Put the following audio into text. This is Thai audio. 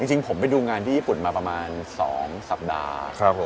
จริงผมไปดูงานที่ญี่ปุ่นมาประมาณ๒สัปดาห์